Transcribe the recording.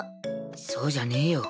そうじゃねえよ。